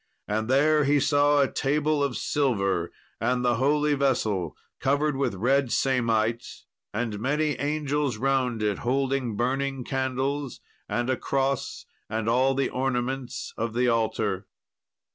And there he saw a table of silver, and the holy vessel covered with red samite, and many angels round it holding burning candles and a cross and all the ornaments of the altar.